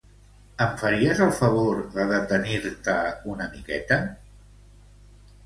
Em faries el favor de detenir-te una miqueta?